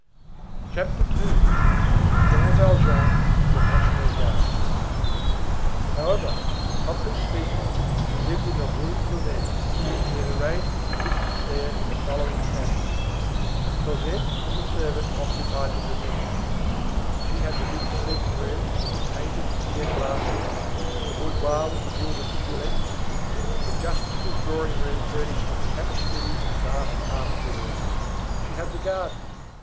CHAPTER II—JEAN VALJEAN AS A NATIONAL GUARD However, properly speaking, he lived in the Rue Plumet, and he had arranged his existence there in the following fashion:— Cosette and the servant occupied the pavilion; she had the big sleeping room with the painted pier glasses, the boudoir with the gilded fillets, the justice's drawing room furnished with tapestries and vast armchairs; she had the garden.